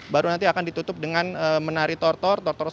baru nanti akan ditutup dengan menari tortor